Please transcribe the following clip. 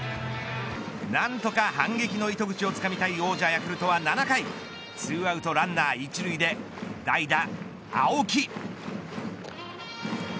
何とか反撃の糸口をつかみたい王者ヤクルトは７回２アウト、ランナー１塁で代打、青木。